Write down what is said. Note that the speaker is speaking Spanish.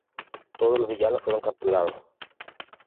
Todos los villanos fueron capturados.